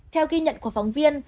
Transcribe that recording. theo ghi nhận của phóng viên